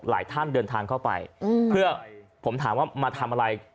ท่านเดินทางเข้าไปเพื่อผมถามว่ามาทำอะไร